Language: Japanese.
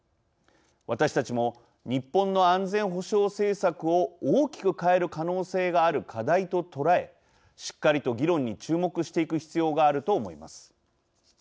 私たちも、日本の安全保障政策を大きく変える可能性がある課題と捉えしっかりと議論に注目していく必要があると思います。